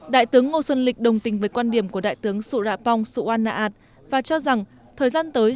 đại tướng ngô xuân lịch đồng tình với quan điểm của đại tướng sụ rạpong sụ an nạ ảt và cho rằng thời gian tới